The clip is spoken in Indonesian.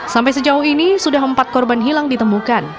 sampai sejauh ini sudah empat korban hilang ditemukan